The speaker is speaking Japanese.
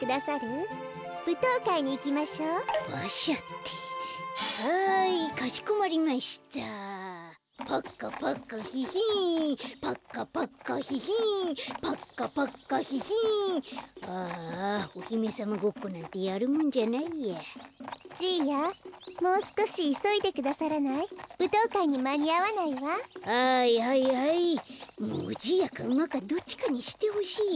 もうじいやかうまかどっちかにしてほしいよ。